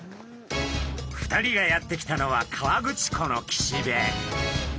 ２人がやって来たのは河口湖の岸辺。